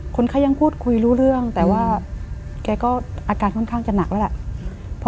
คนไข้ยังพูดคุยรู้เรื่องแต่ว่าแกก็อาการค่อนข้างจะหนักแล้วแหละ